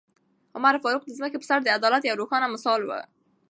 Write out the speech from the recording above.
عمر فاروق د ځمکې په سر د عدل یو روښانه مثال و.